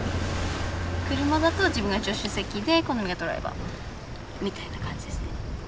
車だと自分が助手席で好がドライバーみたいな感じですね。